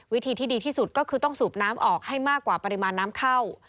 วิธีที่ดีที่สุดก็คือต้องสูบน้ำออกให้มากกว่าปริมาณน้ำเข้า